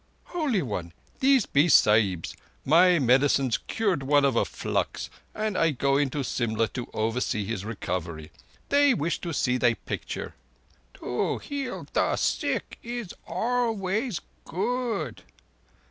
"Holy One, these be Sahibs. My medicines cured one of a flux, and I go into Simla to oversee his recovery. They wish to see thy picture—" "To heal the sick is always good.